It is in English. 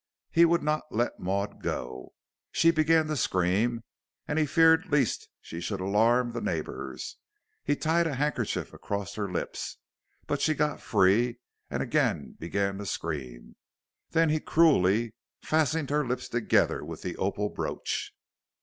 He would not let Maud go. She began to scream, and he feared lest she should alarm the neighbors. He tied a handkerchief across her lips, but she got free, and again began to scream. Then he cruelly fastened her lips together with the opal brooch."